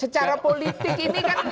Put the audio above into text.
secara politik ini kan